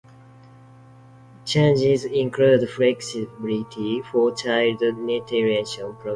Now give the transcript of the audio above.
Changes include flexibility for child nutrition programs .